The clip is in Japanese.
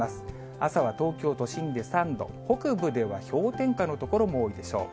朝は東京都心で３度、北部では氷点下の所も多いでしょう。